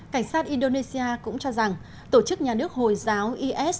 cảnh sát indonesia cũng cho rằng tổ chức nhà nước hồi giáo is